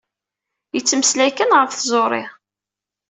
Yettmeslay kan ɣef tẓuri.